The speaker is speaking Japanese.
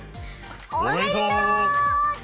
おめでとう！